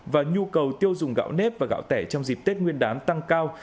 và nhu cầu tiêu dùng gạo nếp và gạo tẻ trong dịp tết nguyên đán tăng cao